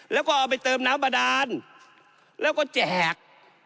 แล้วก็เอาไปเติมน้ำบาดานแล้วก็แจก